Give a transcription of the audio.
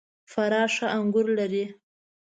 فراه ښه انګور لري .